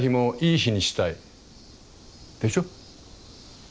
でしょ。